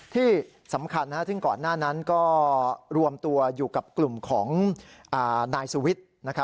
ที่สำคัญซึ่งก่อนหน้านั้นก็รวมตัวอยู่กับกลุ่มของนายสุวิทย์